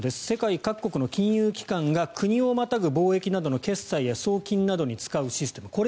世界各国の金融機関が国をまたぐ貿易などの決済や送金などに使うシステム